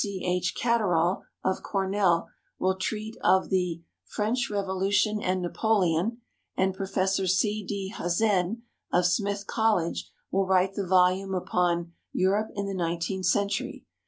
C. H. Catterall, of Cornell, will treat of the "French Revolution and Napoleon;" and Professor C. D. Hazen, of Smith College, will write the volume upon "Europe in the Nineteenth Century."